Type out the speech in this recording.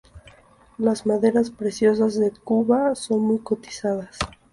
Las maderas preciosas de Cuba son muy cotizadas.